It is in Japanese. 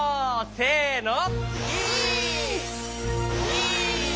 せの！